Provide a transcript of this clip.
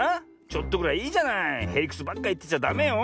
ちょっとぐらいいいじゃない？へりくつばっかいってちゃダメよ。